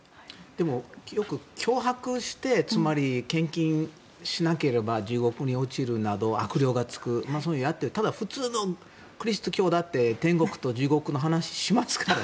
でも、脅迫して献金しなければ地獄に落ちるなど悪霊がつくなどそういうのがあってただ普通のキリスト教だって天国と地獄の話をしますから。